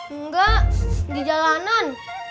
enggak di jalanan